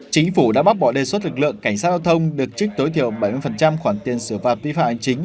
chính phủ đã bác bỏ đề xuất lực lượng cảnh sát thông được trích tối thiểu bảy mươi khoản tiền sửa và vi phạm hành chính